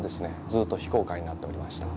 ずっと非公開になっておりました。